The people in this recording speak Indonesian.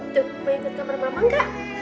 ikut ke kamar mama enggak